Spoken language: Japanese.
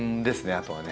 あとはね